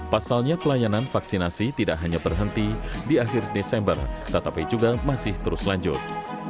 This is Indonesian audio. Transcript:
pasalnya pelayanan vaksinasi tidak hanya berhenti di akhir desember tetapi juga masih terus lanjut